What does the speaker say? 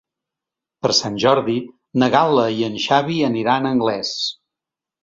Per Sant Jordi na Gal·la i en Xavi aniran a Anglès.